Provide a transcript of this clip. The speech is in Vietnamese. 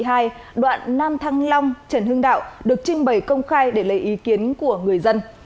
hoàng long trần hưng đạo được trình bày công khai để lấy ý kiến của người dân